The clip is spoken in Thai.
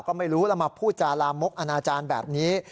ก็ไม่รู้แล้วมาพูดจาลามกอนาจารย์แบบนี้